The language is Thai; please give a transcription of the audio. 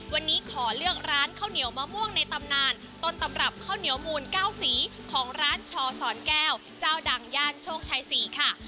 วันนี้ขอเลือกร้านข้าวเหนียวมะม่วงในตำนานต้นตำรับข้าวเหนียวมูล๙สีของร้านชอสอนแก้วเจ้าดังย่านโชคชัย๔ค่ะ